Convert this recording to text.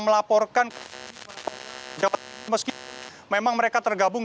melaporkan meski memang mereka tergabung